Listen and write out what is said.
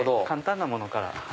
簡単なものから。